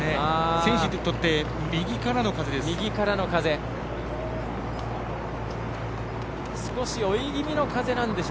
選手にとって右からの風です。